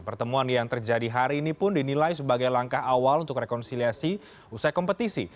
pertemuan yang terjadi hari ini pun dinilai sebagai langkah awal untuk rekonsiliasi usai kompetisi